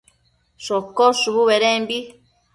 shocosh shubu bedembi